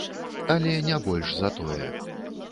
Але не больш за тое.